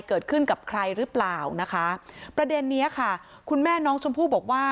เกิดขึ้นกับใครหรือเปล่านะคะประเด็นนี้ค่ะคุณแม่น้องชมพู่บอกว่า